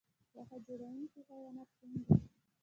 واښه خوړونکي حیوانات کوم دي؟